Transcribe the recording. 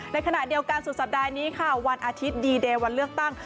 ในขณะเดียวกันสุดสัปดาห์นี้ค่ะวันอาทิตย์ดีเดย์วันเลือกตั้ง